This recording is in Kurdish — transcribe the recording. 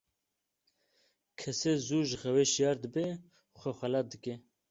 Kesê zû ji xewê şiyar dibe, xwe xelat dike.